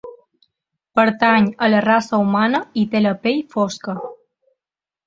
Pertany a la raça humana i té la pell fosca.